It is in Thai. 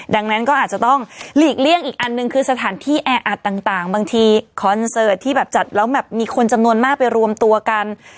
ดังนั้นก็อาจจะต้องหลีกเลี่ยงอีกอันหนึ่งคือสถานที่แออัดต่างบางทีคอนเสิร์ตที่แบบจัดแล้วแบบมีคนจำนวนมากไปรวมตัวกัน